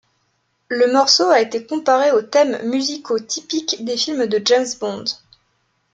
Le morceau a été comparé aux thèmes musicaux typiques des films de James Bond.